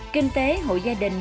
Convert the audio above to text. kinh tế hội gia đình